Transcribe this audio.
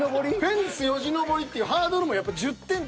フェンスよじ登りっていうハードルもやっぱ１０点って。